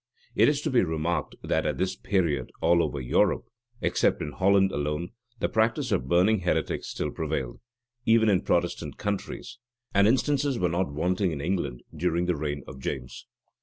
[] It is to be remarked, that, at this period, all over Europe, except in Holland alone, the practice of burning heretics still prevailed, even in Protestant countries; and instances were not wanting in England during the reign of James.